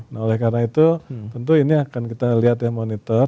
nah oleh karena itu tentu ini akan kita lihat ya monitor